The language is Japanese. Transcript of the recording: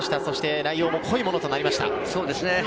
内容も濃いものとなりました。